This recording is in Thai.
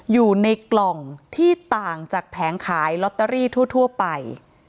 อยู่ในกล่องที่ต่างจากแผงขายลอตเตอรี่ทั่วไป